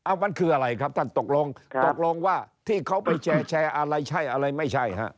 มันคืออะไรครับท่านตกลงตกลงว่าที่เขาไปแชร์อะไรใช่อะไรไม่ใช่ฮะ